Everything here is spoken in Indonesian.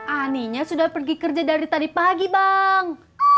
aninya sudah pergi kerja dari tadi pagi bang